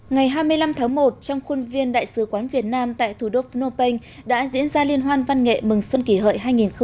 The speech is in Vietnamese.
ngày hai mươi năm tháng một trong khuôn viên đại sứ quán việt nam tại thủ đô phnom penh đã diễn ra liên hoan văn nghệ mừng xuân kỷ hợi hai nghìn một mươi chín